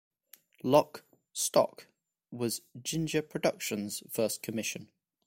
"Lock, Stock..." was Ginger Productions' first commission.